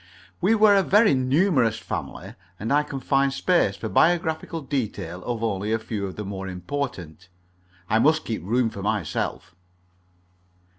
We were a very numerous family, and I can find space for biographical details of only a few of the more important. I must keep room for myself.